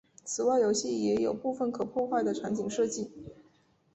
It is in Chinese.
此外游戏也有部分可破坏的场景设计。